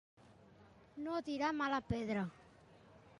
No tirar mala pedra.